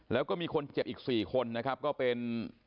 แล้วก็มีคนเจ็บอีก๔คนนะครับก็เป็น